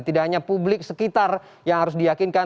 tidak hanya publik sekitar yang harus diyakinkan